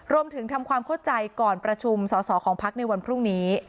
ทำความเข้าใจก่อนประชุมสอสอของพักในวันพรุ่งนี้